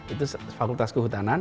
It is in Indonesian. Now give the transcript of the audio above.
itu fakultas kehutanan